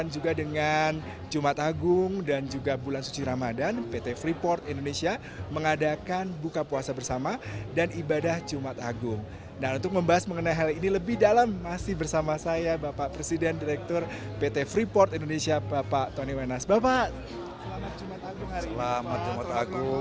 jumat agung dan buka puasa bersama di tambang bawah tanah